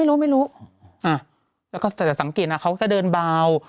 แล้วก็แต่สังเกตเขาก็จะเดินเบา